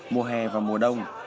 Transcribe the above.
mùa hè và mùa đông